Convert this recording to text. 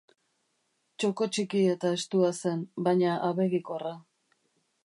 Txoko txiki eta estua zen, baina abegikorra.